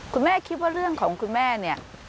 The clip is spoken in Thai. คุณแม่คิดว่าเรื่องของคุณแม่เนี่ย